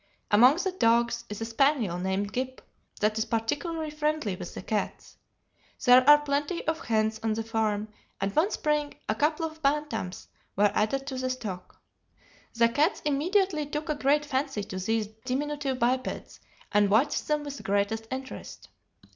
Among the dogs is a spaniel named Gyp that is particularly friendly with the cats. There are plenty of hens on the farm, and one spring a couple of bantams were added to the stock. The cats immediately took a great fancy to these diminutive bipeds, and watched them with the greatest interest.